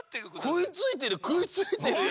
くいついてるくいついてるよ。